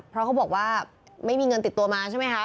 เพราะเขาบอกว่าไม่มีเงินติดตัวมาใช่ไหมคะ